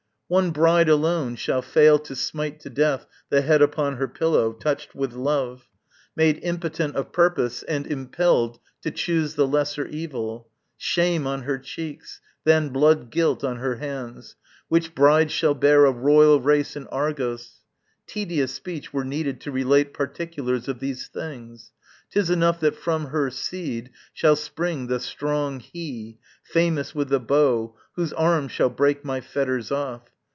One bride alone shall fail to smite to death The head upon her pillow, touched with love, Made impotent of purpose and impelled To choose the lesser evil, shame on her cheeks, Than blood guilt on her hands: which bride shall bear A royal race in Argos. Tedious speech Were needed to relate particulars Of these things; 'tis enough that from her seed Shall spring the strong He, famous with the bow, Whose arm shall break my fetters off.